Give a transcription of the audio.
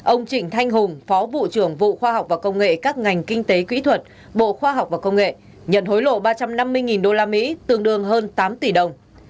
ông trịnh thanh hùng phó vụ trưởng vụ khoa học và công nghệ các ngành kinh tế quỹ thuật bộ khoa học và công nghệ nhận hối lộ ba trăm năm mươi usd tương đương hơn tám tỷ đồng